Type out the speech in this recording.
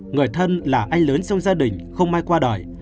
người thân là anh lớn trong gia đình không may qua đời